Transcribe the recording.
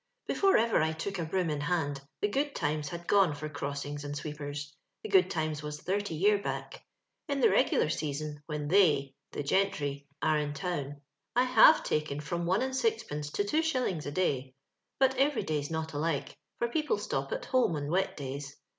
Before ever I took a broom in hand, the good times hod gone for crossings and sweep ers. The good times was thirty year back. In the reguhir season, when they (the gentiy) are in town, I have taken from one and six pence to two shillings a day ; but every day's not alike, for people stop at home in wet days.